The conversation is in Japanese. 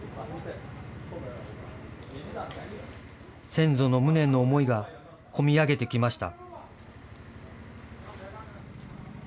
先祖の無念の思いがこみ上げてきました。